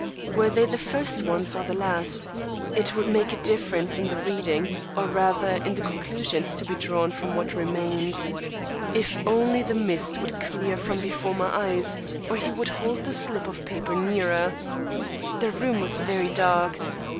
Were they the first ones or the last? It would make a difference in the reading, or rather, in the conclusions to be drawn from what remained. If only the mist would clear from before my eyes, or he would hold the slip of paper nearer! The room was very dark.